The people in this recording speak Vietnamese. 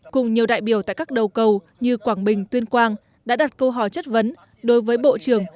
cùng nhiều đại biểu tại các đầu cầu như quảng bình tuyên quang đã đặt câu hỏi chất vấn đối với bộ trưởng